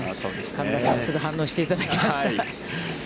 カメラさん、すぐに反応していただきました。